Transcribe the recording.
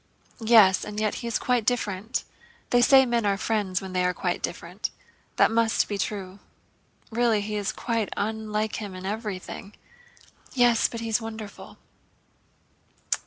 "Yes, and yet he is quite different. They say men are friends when they are quite different. That must be true. Really he is quite unlike him—in everything." "Yes, but he's wonderful."